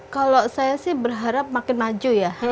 kalau saya sih berharap makin maju ya